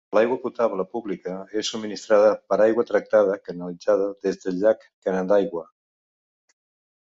L'aigua potable pública és subministrada per aigua tractada canalitzada des del llac Canandaigua.